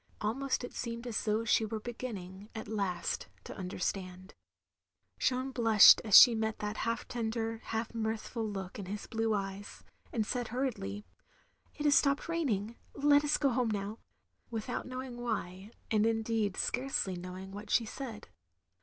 Almost it seemed as though she were beginning, at last, to understand. Jeanne blushed as she met that half tender, half mirthful look in his blue eyes, and said hurriedly, "It has stopped raining, let us go home now," without knowing why; and indeed scarcely knowing what she said.